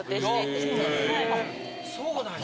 そうなんや。